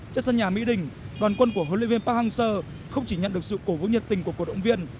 trên sân nhà mỹ đình đoàn quân của huấn luyện viên park hang seo không chỉ nhận được sự cổ vũ nhiệt tình của cổ động viên